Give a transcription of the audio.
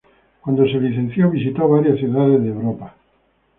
Cuando se licenció, visitó varias ciudades de Europa.